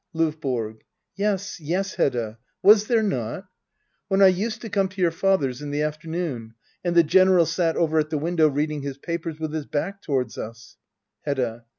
LOVBORO. Yes, yes, Hedda ! Was there not ?— ^When I used to come to your father's in the afternoon — and the General sat over at the window reading his papers — with his back towards us Hedda.